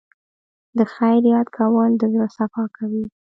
د خیر یاد کول د زړه صفا کوي.